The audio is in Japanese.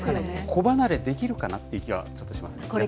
子離れできるかなっていう気がちょっとしますね。